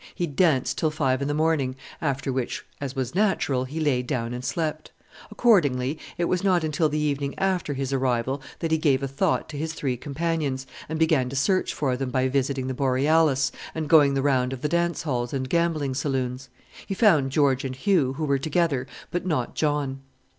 He danced till five in the morning, after which, as was natural, he lay down and slept. Accordingly it was not until the evening after his arrival that he gave a thought to his three companions, and began to search for them by visiting the Borealis, and going the round of the dance halls and gambling saloons. He found George and Hugh, who were together, but not John.